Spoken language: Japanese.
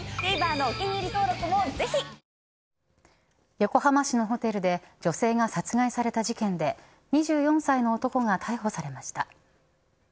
横浜市のホテルで女性が殺害された事件で２４歳の男が逮捕されました。